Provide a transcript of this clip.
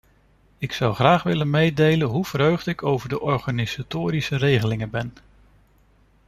Ik zou graag willen mededelen hoe verheugd ik over de organisatorische regelingen ben.